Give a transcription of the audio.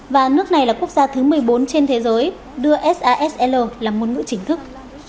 và nước này là quốc gia thứ một mươi bốn trên thế giới đưa sasl là ngôn ngữ chính thức